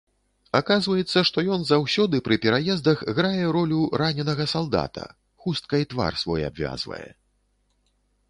Аказваецца, што ён заўсёды пры пераездах грае ролю раненага салдата, хусткай твар свой абвязвае.